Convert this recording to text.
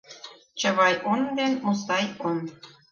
— Чавай он ден Мустай он.